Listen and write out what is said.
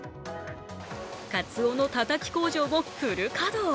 かつおのたたき工場もフル稼働。